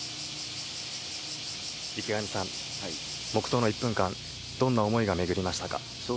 池上さん、黙とうの１分間、どんな思いが巡りましたか？